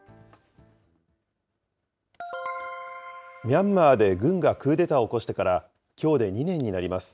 ミャンマーで軍がクーデターを起こしてから、きょうで２年になります。